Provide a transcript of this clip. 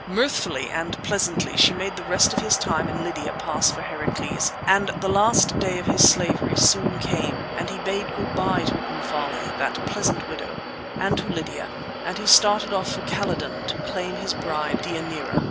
Mirthfully and pleasantly she made the rest of his time in Lydia pass for Heracles, and the last day of his slavery soon came, and he bade good by to Omphale, that pleasant widow, and to Lydia, and he started off for Calydon to claim his bride Deianira.